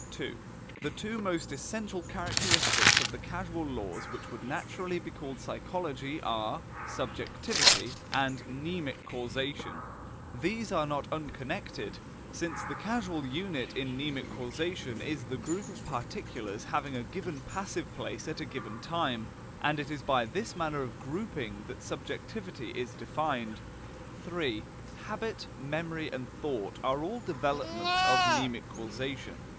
II. The two most essential characteristics of the causal laws which would naturally be called psychological are SUBJECTIVITY and MNEMIC CAUSATION; these are not unconnected, since the causal unit in mnemic causation is the group of particulars having a given passive place at a given time, and it is by this manner of grouping that subjectivity is defined. III. Habit, memory and thought are all developments of mnemic causation.